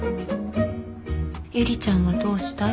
ゆりちゃんはどうしたい？